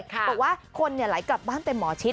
บอกว่าคนไหลกลับบ้านเต็มหมอชิด